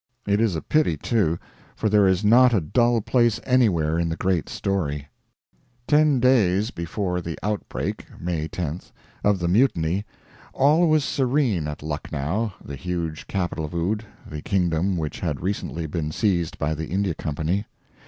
It is a pity, too; for there is not a dull place anywhere in the great story. Ten days before the outbreak (May 10th) of the Mutiny, all was serene at Lucknow, the huge capital of Oudh, the kingdom which had recently been seized by the India Company.